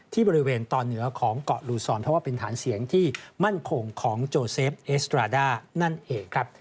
ที่บริเวณตอนเหนือของเกาะลูซอนเพราะว่าเป็นฐานเสียงที่มั่นคงของโจเซฟเอสตราด้านั่นเองครับ